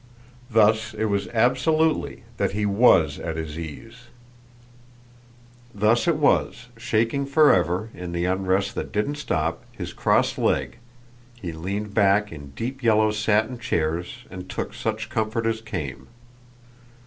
Thus it was absolutely that he WAS at his ease. Thus it was that, shaking for ever, in the unrest that didn't drop, his crossed leg, he leaned back in deep yellow satin chairs and took such comfort as came.